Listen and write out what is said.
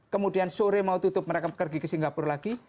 kemudian sore mau tutup mereka pergi ke singapura lagi